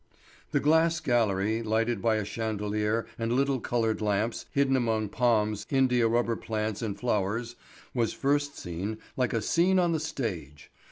The glass gallery, lighted by a chandelier and little coloured lamps hidden among palms, india rubber plants, and flowers, was first seen like a scene on the stage.